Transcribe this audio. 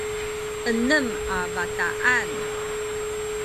enem a bataan